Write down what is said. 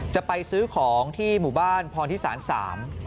จะไปซื้อของที่หมู่บ้านพรธิศาลสาม